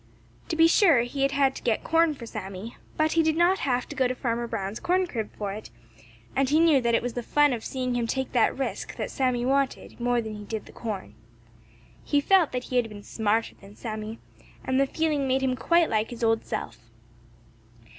To be sure he had to get corn for Sammy, but he did not have to go to Farmer Brown's corn crib for it, and he knew that it was the fun of seeing him take that risk that Sammy wanted more than he did the corn. He felt that he had been smarter than Sammy, and the feeling made him quite like his old self.